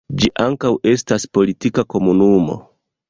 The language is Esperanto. Ĝi ankaŭ estas politika komunumo.